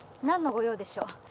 何の御用でしょう？